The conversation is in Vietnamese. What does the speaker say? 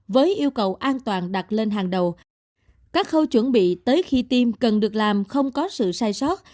với yêu cầu an toàn đặt lên hàng đầu các khâu chuẩn bị tới khi tiêm cần được làm không có sự sai sót